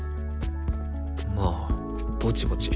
まあぼちぼち。